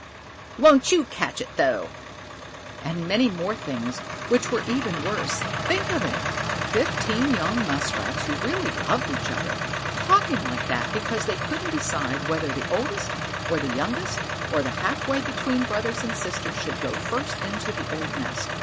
"Won't you catch it though!" And many more things which were even worse. Think of it. Fifteen young Muskrats who really loved each other, talking like that because they couldn't decide whether the oldest or the youngest or the half way between brothers and sisters should go first into the old nest.